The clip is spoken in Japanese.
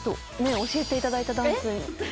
教えていただいたダンス。